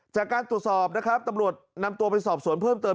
จากการตรวจสอบนะครับตำรวจนำตัวไปสอบสวนเพิ่มเติม